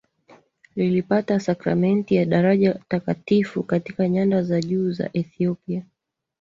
lilipata sakramenti ya daraja takatifu katika nyanda za juu za Ethiopia